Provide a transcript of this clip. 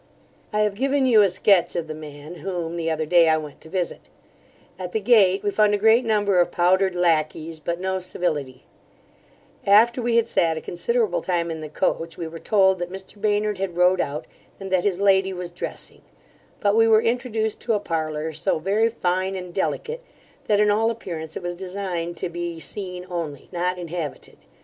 I have given you a sketch of the man, whom the other day I went to visit At the gate we found a great number of powdered lacquies, but no civility After we had sat a considerable time in the coach, we were told, that Mr Baynard had rode out, and that his lady was dressing; but we were introduced to a parlour, so very fine and delicate, that in all appearance it was designed to be seen only, not inhabited.